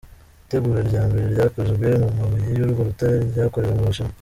Itegura rya mbere ryakozwe mu mabuye y’urwo rutare ryakorewe mu Bushinwa.